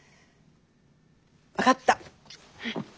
分かった。